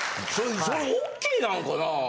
それＯＫなんかな。